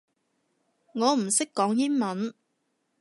我唔識講英文